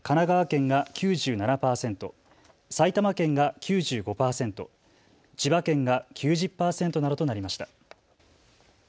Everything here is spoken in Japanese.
次いで神奈川県が９７％、埼玉県が９５％、千葉県が９０％などとなりました。